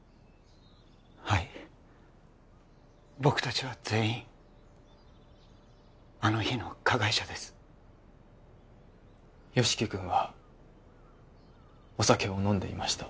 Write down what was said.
はい僕達は全員あの日の加害者です由樹君はお酒を飲んでいました